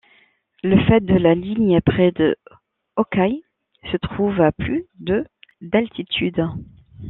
Le faîte de la ligne, près de Hockai, se trouve à plus de d'altitude.